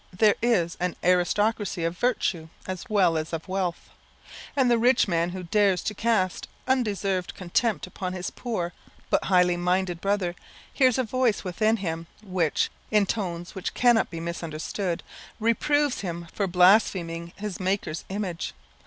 There is an aristocracy of virtue as well as of wealth; and the rich man who dares to cast undeserved contempt upon his poor, but high minded brother, hears a voice within him which, in tones which cannot be misunderstood, reproves him for blaspheming his Maker's image.